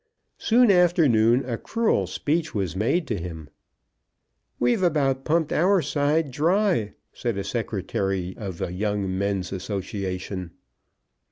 Soon after noon a cruel speech was made to him. "We've about pumped our side dry," said a secretary of a Young Men's Association.